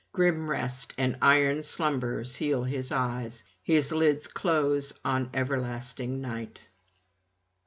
Grim rest and iron slumber seal his eyes; his lids close on everlasting night.